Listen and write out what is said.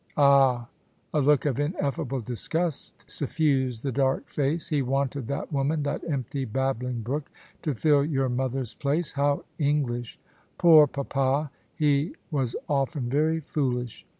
" Ah !" A look of ineffable disgust suffused the dark face. " He wanted that woman — ^that empty babbling brook — to fill your mother's place? How English! "" Poor Papa! He was often very foolish."